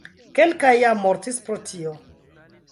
Kelkaj jam mortis pro tio.